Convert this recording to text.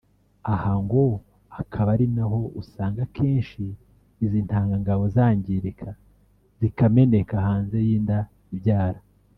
aha ngo akaba ari na ho usanga kenshi izi ntanga ngabo zangirika zikameneka hanze y’inda ibyara